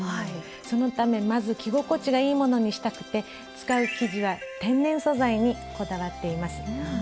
そのためまず着心地がいいものにしたくて使う生地は天然素材にこだわっています。